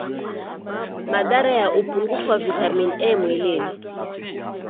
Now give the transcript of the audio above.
Madhara ya upungufu wa vitamini A mwilini